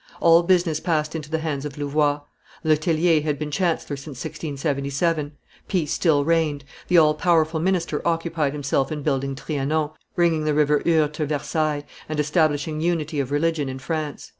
All business passed into the hands of Louvois. Le Tellier had been chancellor since 1677; peace still reigned; the all powerful minister occupied himself in building Trianon, bringing the River Eure to Versailles, and establishing unity of religion in France.